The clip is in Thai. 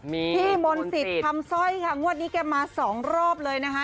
มีมนติศทำซ่อยค่ะงวดนี้แกมา๒รอบเลยนะฮะ